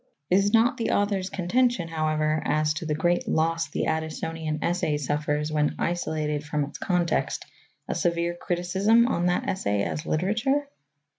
Is not the author's contention, however, as to the great loss the Addisonian essay suffers when isolated from its context a severe criticism on that essay as literature?